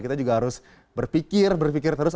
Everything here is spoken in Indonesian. kita juga harus berpikir berpikir terus